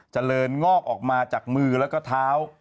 เจริญงอกออกมาจากมือแล้วก็เท้า